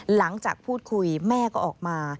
หลังจากพูดคุยแม่ก็ออกมา